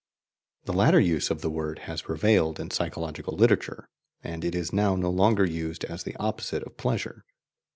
The latter use of the word has prevailed in psychological literature, and it is now no longer used as the opposite of "pleasure."